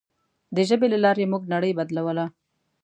د ژبې له لارې موږ نړۍ بدلوله.